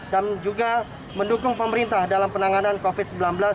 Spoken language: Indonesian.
dan juga mendukung pemerintah dalam penanganan covid sembilan belas